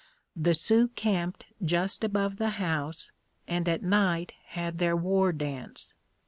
The Sioux camped just above the house, and at night had their war dance.